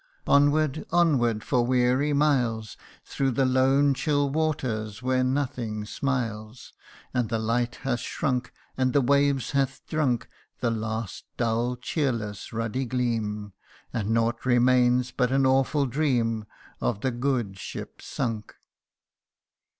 Onward onward for weary miles Through the lone chill waters, where nothing smiles, And the light hath shrunk And the wave hath drunk The last dull, cheerless, ruddy gleam, And naught remains but an awful dream Of the good ship sunk.